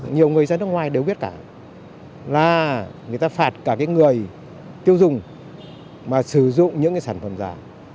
nhiều người dân nước ngoài đều biết cả là người ta phạt cả cái người tiêu dùng mà sử dụng những cái sản phẩm giả